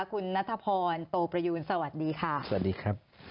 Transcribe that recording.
คุณนัทพรโตประยูนสวัสดีค่ะสวัสดีครับ